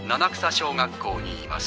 小学校にいます。